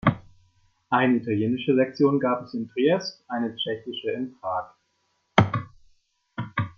Eine italienische Sektion gab es in Triest, eine tschechische in Prag.